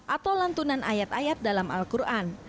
atau lantunan ayat ayat dalam al quran